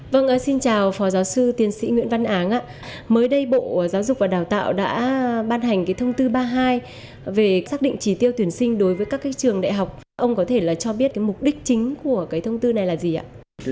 vâng xin chào phó giáo sư tiến sĩ nguyễn văn áng mới đây bộ giáo dục và đào tạo đã ban hành cái thông tư ba mươi hai về xác định trí tiêu tuyển sinh đối với các trường đại học ông có thể là cho biết cái mục đích chính của cái thông tư này là gì ạ